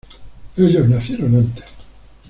Ellos nacieron antes.